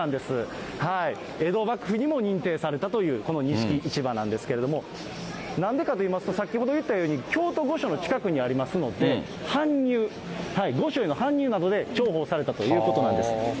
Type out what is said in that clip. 江戸幕府にも認定されたという、この錦市場なんですけれども、なんでかといいますと、先ほど言ったように、京都御所の近くにありますので、搬入、御所への搬入などで重宝されたということなんです。